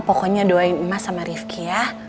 pokoknya doain emas sama rifki ya